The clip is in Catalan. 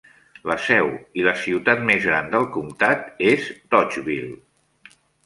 La seu i la ciutat més gran del comtat és Dodgeville.